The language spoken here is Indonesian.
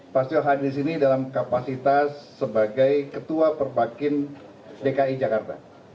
pak stio hadir di sini dalam kapasitas sebagai ketua perpakim dki jakarta